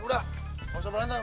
udah langsung berantem